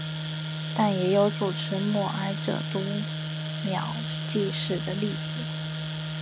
但也有主持默哀者读秒计时的例子。